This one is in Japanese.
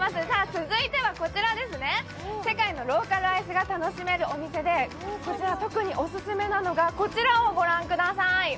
続いては、世界のローカルアイスが楽しめるお店で、特にオススメなのが、こちらをご覧ください。